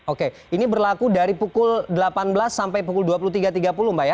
oke ini berlaku dari pukul delapan belas sampai pukul dua puluh tiga tiga puluh mbak ya